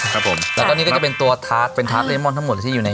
ครับผมแล้วก็นี่ก็จะเป็นตัวทาสเป็นทาสเลมอนทั้งหมดเลยที่อยู่ใน